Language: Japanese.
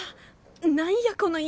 何やこの家！